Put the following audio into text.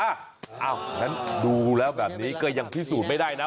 อย่างนั้นดูแล้วแบบนี้ก็ยังพิสูจน์ไม่ได้นะ